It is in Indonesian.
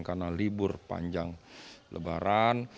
karena libur panjang lebaran